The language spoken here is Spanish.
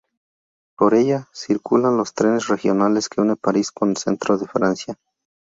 Por ella circulan los trenes regionales que une París con el centro de Francia.